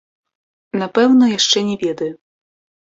Напэўна яшчэ не ведаю.